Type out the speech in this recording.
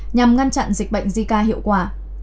nhằm ngăn chặn dịch bệnh zika hiệu quả